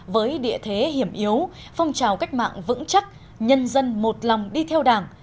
với địa thế hiểm yếu phong trào cách mạng vững chắc nhân dân một lòng đi theo đảng